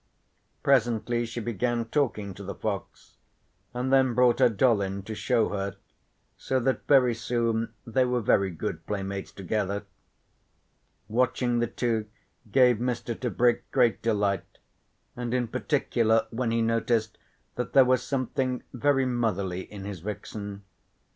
Presently she began talking to the fox, and then brought her doll in to show her so that very soon they were very good playmates together. Watching the two gave Mr. Tebrick great delight, and in particular when he noticed that there was something very motherly in his vixen.